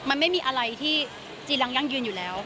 มันไม่มีอะไรที่จีรังยั่งยืนอยู่แล้ว